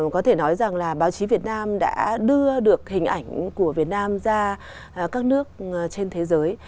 có thể nói rằng là báo chí việt nam đã đưa được hình ảnh của việt nam ra các nước trên thế giới